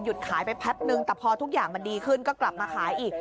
ขายไปแพ็บนึงแต่พอทุกอย่างมันดีขึ้นก็กลับมาขายอีก